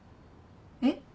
えっ？